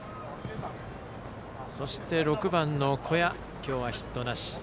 そして、６番の小矢は今日ヒットなし。